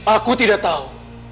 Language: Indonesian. aku tidak tahu